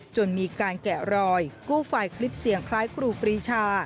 จนมีการแกะรอยกู้ไฟล์คลิปเสียงคล้ายครูปรีชา